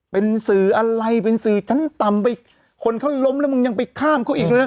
เป็นสื่ออะไรเป็นสื่อชั้นต่ำไปคนเขาล้มแล้วมึงยังไปข้ามเขาอีกด้วยนะ